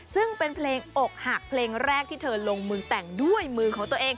ซึ่งเป็นเพลงอกหักเพลงแรกที่เธอลงมือแต่งด้วยมือของตัวเอง